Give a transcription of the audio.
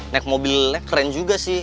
naik mobilnya keren juga sih